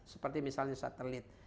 seperti misalnya satelit